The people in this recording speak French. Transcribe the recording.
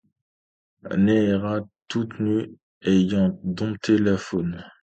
Néera toute nue ayant dompté le faune